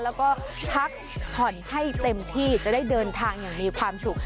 แล้วก็พักผ่อนให้เต็มที่จะได้เดินทางอย่างมีความสุข